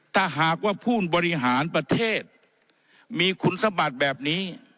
ถ้าหากว่าผู้บริหารประเทศมีคุณสมบัติแบบนี้